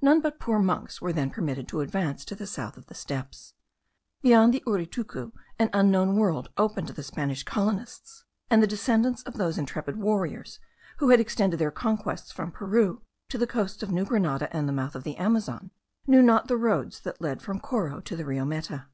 None but poor monks were then permitted to advance to the south of the steppes. Beyond the Uritucu an unknown world opened to the Spanish colonists; and the descendants of those intrepid warriors who had extended their conquests from Peru to the coasts of New Grenada and the mouth of the Amazon, knew not the roads that lead from Coro to the Rio Meta.